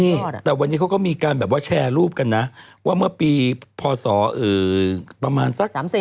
นี่แต่วันนี้เขาก็มีการแบบว่าแชร์รูปกันนะว่าเมื่อปีพศประมาณสัก๓๐